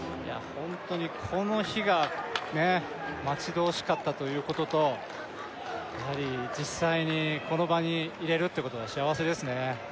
ホントにこの日が待ち遠しかったということとやはり実際にこの場にいれるってことが幸せですね